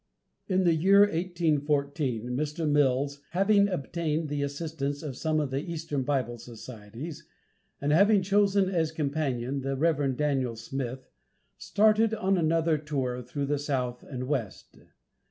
In the year 1814 Mr. Mills having obtained the assistance of some of the eastern Bible societies, and having chosen as companion the Rev. Daniel Smith, started on another tour through the South and West.